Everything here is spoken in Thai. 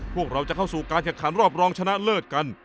พวกเราจะเข้าสู่การแข่งขันรอบรองชนะเลิศกัน